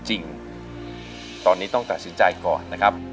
จะสู้หรือว่าจะหยุดครับ